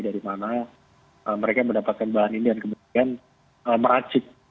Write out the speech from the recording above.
dari mana mereka mendapatkan bahan ini dan kemudian meracik